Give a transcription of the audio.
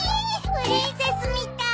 プリンセスみたい！